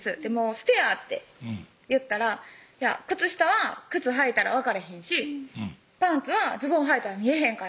「捨てや」って言ったら「靴下は靴履いたら分かれへんしパンツはズボンはいたら見えへんから大丈夫」